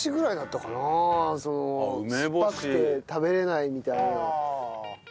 酸っぱくて食べれないみたいなの。